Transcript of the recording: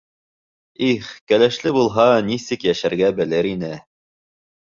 Их, кәләшле булһа, нисек йәшәргә белер ине.